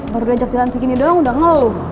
baru diajak jalan segini doang udah ngeluh